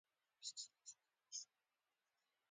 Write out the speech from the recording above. اقتصادي ډیپلوماسي د سوداګریزو اړیکو لپاره کارول کیږي